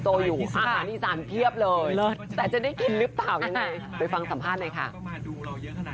ถึงมาด้วยคุณกลูกอาหาร